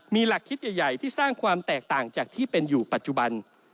มีหลักคิดใหญ่ที่สร้างความแตกต่างจากที่เป็นอยู่ปัจจุบัน